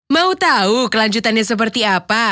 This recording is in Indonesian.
mau tahu kelanjutannya seperti apa